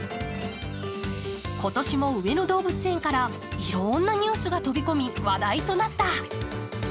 今年も上野動物園からいろんなニュースが飛び込み、話題となった。